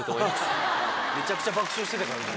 めちゃくちゃ爆笑してたからね。